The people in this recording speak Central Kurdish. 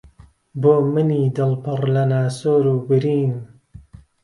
بۆ منی دڵ پڕ لە ناسۆر و برین